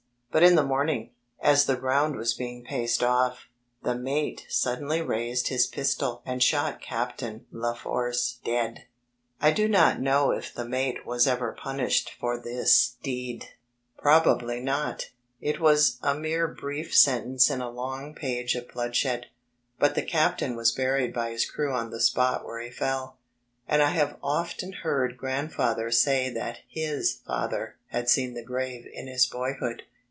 But in the mOming, as the ground was being paced off, the mate suddenly raised his pistol and shot Captain Leforce dead. I do not know if the mate was ever punished for this D,9„,zedbyGOOgle deed. Probabiy not. It was a mere brief sentence in a long page of bloodshed. But the captain was buried by his crew on the spot where he fell, and I have often heard Grandfa ther say that his father had seen the grave in his boyhood.